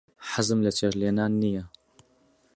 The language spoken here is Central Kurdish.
حەزم لە چێشت لێنان نییە.